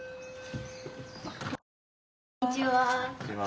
こんにちは。